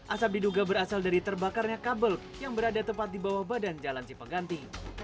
asap diduga berasal dari terbakarnya kabel yang berada tepat di bawah badan jalan cipeganti